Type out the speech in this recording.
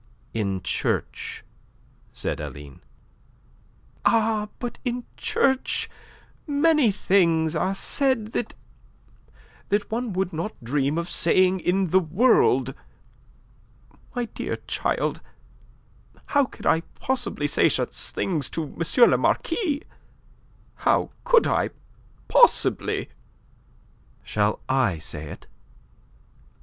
"In church," said Aline. "Ah, but in church many things are said that... that one would not dream of saying in the world. My dear child, how could I possibly say such a thing to M. le Marquis? How could I possibly?" "Shall I say it?"